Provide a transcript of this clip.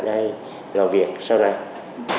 làm việc sau này